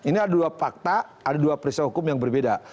ini ada dua fakta ada dua peristiwa hukum yang berbeda